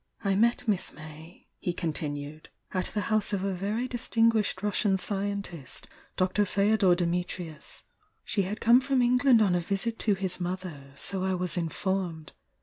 "I met Miss May," he continued, "at the house of a very distinguished Russian scientist. Dr. Fdodor Dimitrius. She had come from England on a visit to his mother, so I was informed.